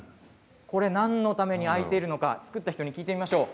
何のために開いているのか作った人に聞いてみましょう。